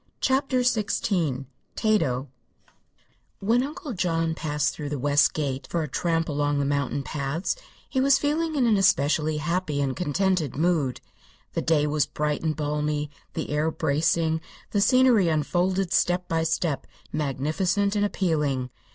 CHAPTER XVI TATO When Uncle John passed through the west gate for a tramp along the mountain paths he was feeling in an especially happy and contented mood. The day was bright and balmy, the air bracing, the scenery unfolded step by step magnificent and appealing.